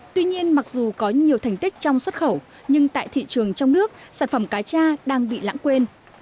tuy nhiên mặc dù có nhiều thành tích trong xuất khẩu nhưng tại thị trường trong nước sản phẩm cá cha đang bị lãng quên